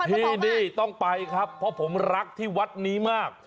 ที่นี่ต้องไปครับเพราะผมรักที่วัดนี้มาก